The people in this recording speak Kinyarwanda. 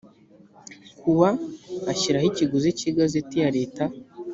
kuwa ashyiraho ikiguzi cy igazeti ya leta